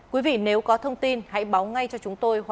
quý vị nếu có thông tin hãy báo ngay cho chúng tôi